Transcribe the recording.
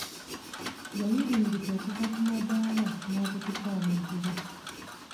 Yayiringita okuva ku madaala n'akutuka amagulu.